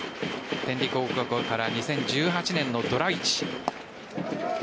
天理高校から２０１８年のドラ１。